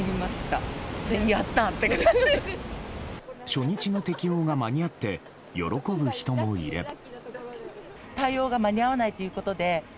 初日の適用が間に合って喜ぶ人もいれば。